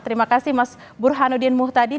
terima kasih mas burhanuddin muhtadi